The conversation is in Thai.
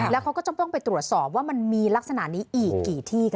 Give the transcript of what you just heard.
แล้วเขาก็ต้องไปตรวจสอบว่ามันมีลักษณะนี้อีกกี่ที่ค่ะ